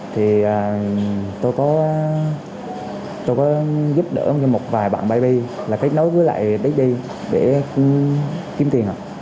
thì tôi có giúp đỡ một vài bạn baby là kết nối với lại daddy để kiếm tiền